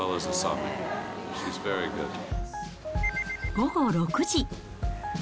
午後６時。